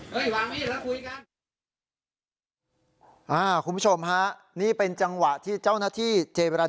คุณผู้ชมฮะนี่เป็นจังหวะที่เจ้าหน้าที่เจรจา